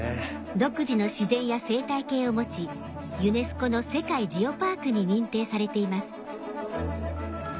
独自の自然や生態系を持ちユネスコの世界ジオパークに認定されています。